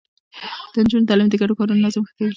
د نجونو تعليم د ګډو کارونو نظم ښه کوي.